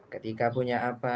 ketika punya apa